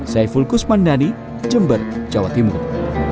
saya fulkus mandani jember jawa timur